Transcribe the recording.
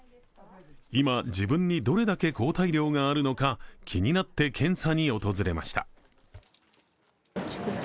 今、自分にどれだけ抗体量があるのか気になって検査に訪れました。